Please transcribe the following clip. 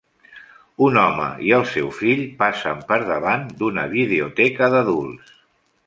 Un home i el seu fill passen per davant d'una videoteca d'adults.